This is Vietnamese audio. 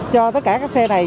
cho tất cả các xe này